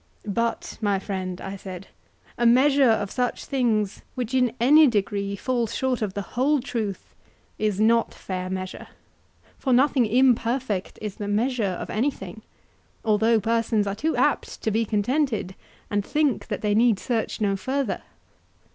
But, my friend, I said, a measure of such things which in any degree falls short of the whole truth is not fair measure; for nothing imperfect is the measure of anything, although persons are too apt to be contented and think that they need search no further.